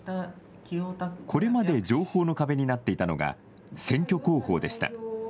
これまで情報の壁になっていたのが選挙公報でした。